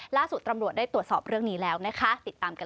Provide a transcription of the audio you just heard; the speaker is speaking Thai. ล่าสุดตำรวจได้ตรวจสอบเรื่องนี้แล้วนะคะติดตามกัน